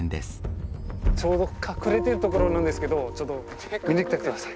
ちょうど隠れてる所なんですけどちょっと見に来てください。